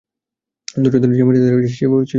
দরজা ধরে যে-মেয়েটি দাঁড়িয়ে আছে, সে জবাব দিল না।